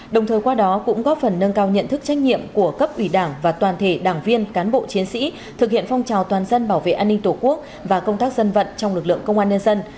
đồng thời qua đó cũng góp phần nâng cao nhận thức trách nhiệm của cấp ủy đảng và toàn thể đảng viên cán bộ chiến sĩ thực hiện phong trào toàn dân bảo vệ an ninh tổ quốc và công tác dân vận trong lực lượng công an nhân dân